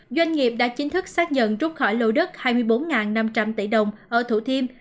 doanh nghiệp đã chính thức xác nhận rút khỏi lô đất hai mươi bốn năm trăm linh tỷ đồng ở thủ thiêm